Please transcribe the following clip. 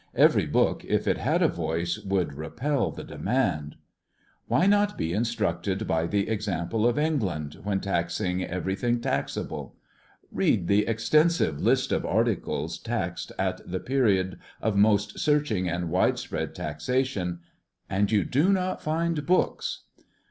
Every book, if it had a voice, would repel the demand. Why not be instructed by the example of England, NO TAX ON BOOKS. 473 when taxing everything taxable ? Eead the extensive list of articles taxed at the period of most searching and wide spread taxation, and you do not find books.